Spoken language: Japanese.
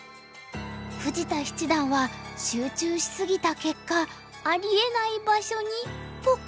富士田七段は集中し過ぎた結果ありえない場所にポカッと！